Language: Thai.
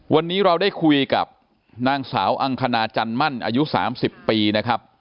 วันนี้เราได้คุยกับนางสาวอังคณาจันมั่นอายุ๓๐ปีนะครับ